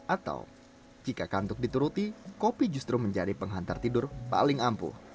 atau jika kantuk dituruti kopi justru menjadi penghantar tidur paling ampuh